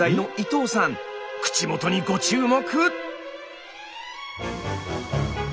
口元にご注目！